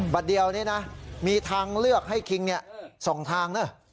เดียวนี่นะมีทางเลือกให้คิง๒ทางนะ